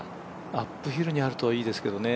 アップヒルにあるといいですけどね。